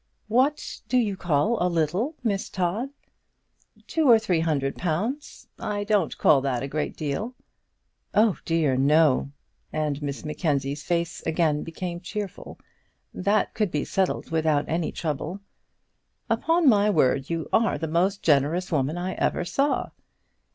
"What do you call a little, Miss Todd?" "Two or three hundred pounds. I don't call that a great deal." "Oh dear, no!" and Miss Mackenzie's face again became cheerful. "That could be settled without any trouble." "Upon my word you are the most generous woman I ever saw."